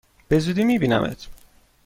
به زودی می بینمت!